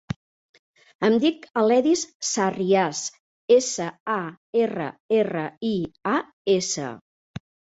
Em dic Aledis Sarrias: essa, a, erra, erra, i, a, essa.